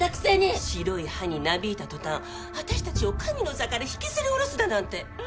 白い歯になびいた途端私たちを神の座から引きずり下ろすだなんて！